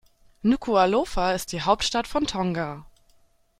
Nukuʻalofa ist die Hauptstadt von Tonga.